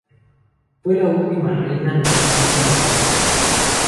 Fue la última reina de la casa de Champaña.